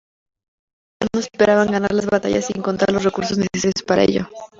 Los mexicanos esperaban ganar las batallas sin contar con los recursos necesarios para ello.